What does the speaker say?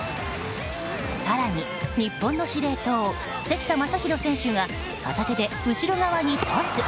更に、日本の司令塔関田誠大選手が片手で後ろ側にトス。